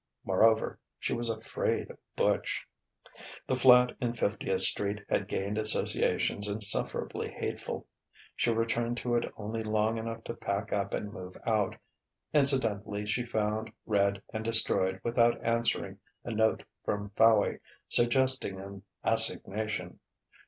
Moreover, she was afraid of Butch.... The flat in Fiftieth Street had gained associations insufferably hateful. She returned to it only long enough to pack up and move out. Incidentally she found, read, and destroyed without answering, a note from Fowey suggesting an assignation.